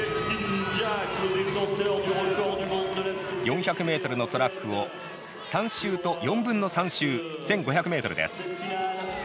４００ｍのトラックを３周と４分の３周１５００ｍです。